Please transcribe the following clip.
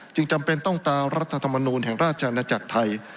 จำเป็นต้องตารัฐธรรมนูลแห่งราชอาณาจักรไทย